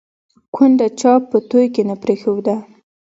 ـ کونډه چا په توى کې نه پرېښوده